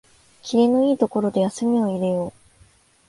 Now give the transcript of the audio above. きりのいいところで休みを入れよう